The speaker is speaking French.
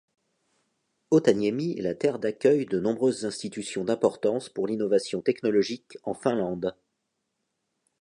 Otaniemi est la terre d'accueil de nombreuses institutions d'importance pour l'innovation technologique en Finlande.